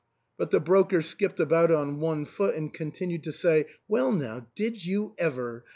But the broker skipped about on one foot, and continued to say, "Well, now, did you ever?